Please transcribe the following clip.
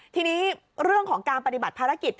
ทีนี้เรื่องของการปฏิบัติภารกิจ